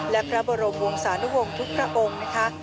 และพระบรมวงศานุวงศ์ทุกพระองค์นะคะ